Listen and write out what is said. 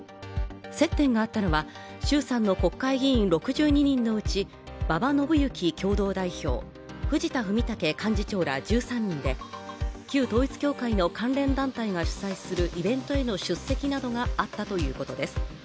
接点があったのは、衆参の国会議員６２人のうち馬場伸幸共同代表藤田文武幹事長ら１３人で旧統一教会の関連団体が主催するイベントへの出席などがあったということです。